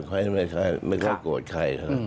ใครไม่ค่อยโกรธใคร